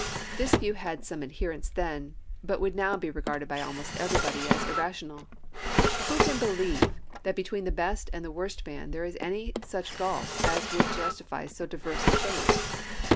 This view had some adherents then, but would now be regarded by almost everybody as irrational. Who can believe that between the best and the worst man there is any such gulf as would justify so diverse a fate!